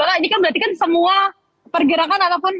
oke pak ini kan berarti semua pergerakan ataupun